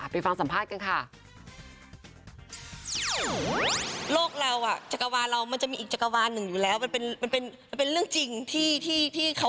ไปฟังสัมภาษณ์กันค่ะ